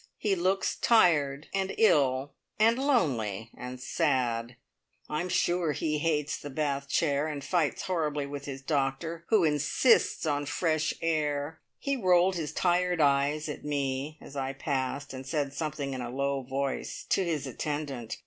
He looks tired and ill, and lonely and sad. I'm sure he hates the bath chair, and fights horribly with his doctor, who insists on fresh air. He rolled his tired eyes at me as I passed, and said something in a low voice to his attendant.